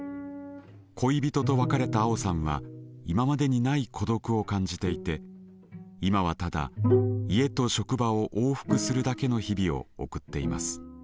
恋人と別れたあおさんは今までにない孤独を感じていて今はただ家と職場を往復するだけの日々を送っています。